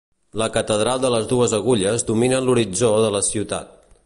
La catedral de les dues agulles domina l'horitzó de la ciutat.